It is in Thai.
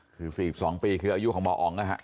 คือ๔๒ปีคืออายุของหมออ๋องนะฮะ